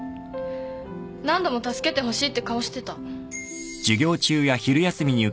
何度も助けてほしいって顔してた。